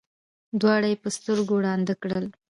دواړه یې په سترګو ړانده کړل.